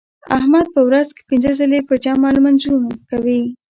احمد په ورځ کې پینځه ځله په جمع لمونځ کوي.